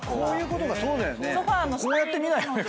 こうやって見ないよね